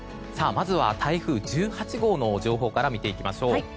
まず台風１８号の情報から見ていきましょう。